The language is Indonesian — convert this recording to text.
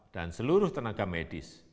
dan seluruh tenaga medis